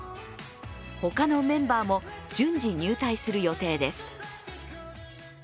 他のメンバーも順次入隊する予定です。